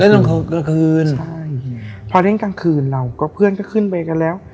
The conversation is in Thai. เล่นกลางกลางคืนใช่ใช่ประเทศกลางคืนเราก็เพื่อนก็ขึ้นไปกันแล้ว